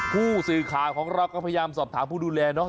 ผู้สื่อข่าวของเราก็พยายามสอบถามผู้ดูแลเนอะ